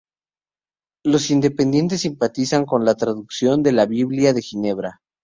Los Independientes simpatizan con la traducción de la Biblia de Ginebra.